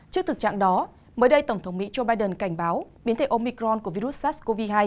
trước thực trạng đó mới đây tổng thống mỹ joe biden cảnh báo biến thể omicron của virus sars cov hai